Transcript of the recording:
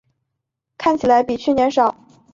看起来比去年少